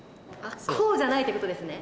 こうじゃないってことですね